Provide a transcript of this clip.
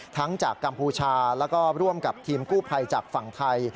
จากกัมพูชาแล้วก็ร่วมกับทีมกู้ภัยจากฝั่งไทย